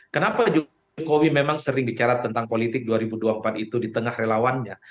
kenapa jokowi memang sering bicara tentang politik dua ribu dua puluh empat itu di tengah relawannya